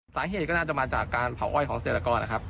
สาเหตุก็น่าจะมาจากการเผาอ้อยของเศรษฐกรนะครับ